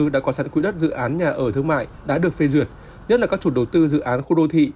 đã có sẵn quỹ đất dự án nhà ở thương mại đã được phê duyệt nhất là các chủ đầu tư dự án khu đô thị